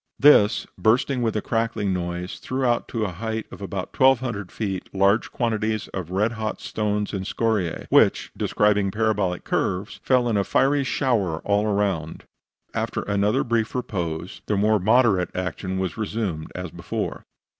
This, bursting with a crackling noise, threw out to the height of about 1200 feet large quantities of red hot stones and scoriae, which, describing parabolic curves, fell in a fiery, shower all around. After another brief repose, the more moderate action was resumed as before.